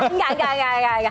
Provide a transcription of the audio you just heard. enggak enggak enggak